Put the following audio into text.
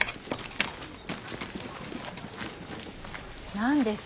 何です？